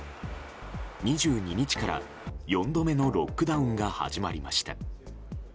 ２２日から４度目のロックダウンが始まりました。